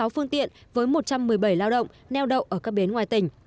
một mươi sáu phương tiện với một trăm một mươi bảy lao động neo động ở các bến ngoài tỉnh